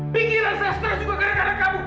pinggiran sastra juga gara gara kamu